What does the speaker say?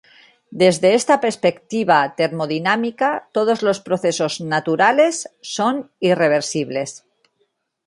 Desde esta perspectiva termodinámica, todos los procesos naturales son irreversibles.